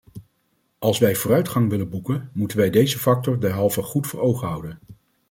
Als wij vooruitgang willen boeken moeten wij deze factor derhalve goed voor ogen houden.